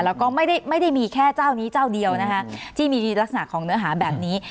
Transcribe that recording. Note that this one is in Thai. แล้วก็ไม่ได้มีแค่เจ้านี้เจ้าเดียวนะคะที่มีลักษณะของเนื้อหาแบบนี้